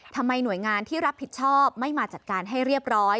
หน่วยงานที่รับผิดชอบไม่มาจัดการให้เรียบร้อย